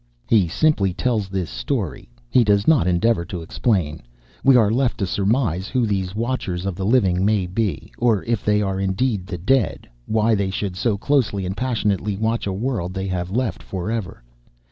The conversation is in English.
He simply tells this story: he does not endeavour to explain. We are left to surmise who these Watchers of the Living may be, or, if they are indeed the Dead, why they should so closely and passionately watch a world they have left for ever.